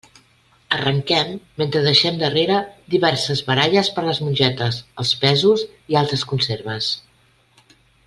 Arrenquem mentre deixem darrere diverses baralles per les mongetes, els pèsols i altres conserves.